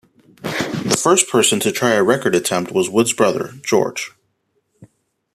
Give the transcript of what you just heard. The first person to try a record attempt was Wood's brother, George.